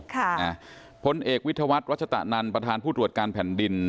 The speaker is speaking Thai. ค่ะนะพลเอกวิทยาวัฒน์รัชตะนันประธานผู้ตรวจการแผ่นดิน